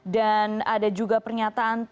dan ada juga pernyataan